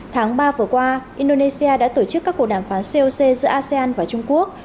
tháng ba vừa qua indonesia đã tổ chức các cuộc đàm phán coc giữa asean và trung quốc